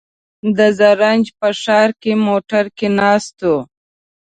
د زرنج په ښار کې موټر کې ناست و.